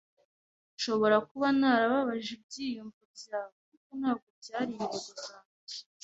Nshobora kuba narababaje ibyiyumvo byawe, ariko ntabwo byari intego yanjye.